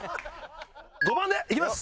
５番でいきます！